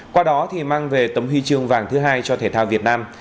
qua đó thì mang về tấm huy chương vàng thứ hai cho thể thao việt nam